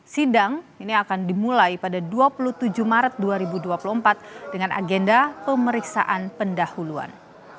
sidang ini akan dimulai pada dua puluh tujuh maret dua ribu dua puluh empat dengan agenda pemeriksaan pendahuluan